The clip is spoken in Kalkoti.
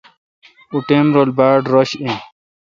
او ٹائم رل باڑ رش این۔